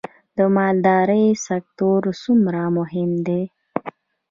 د مالدارۍ سکتور څومره مهم دی؟